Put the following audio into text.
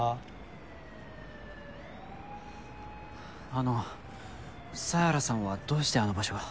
あの犀原さんはどうしてあの場所が。